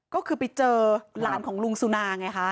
ก็คือไปเจอหลานของลุงสุนาไงคะ